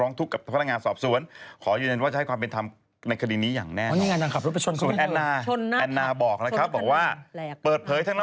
อนาบอกนะครับว่าเขาเจ้ายอมรับว่าดื่มสุราจริง